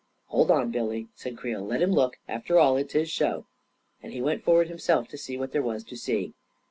" Hold on, Billy," said Creel. " Let him look! After all, it's his show !" And he went forward himself to see what there was to see.